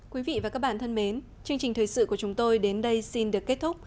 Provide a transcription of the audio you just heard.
quý vị và các bạn thân mến chương trình thời sự của chúng tôi đến đây xin được kết thúc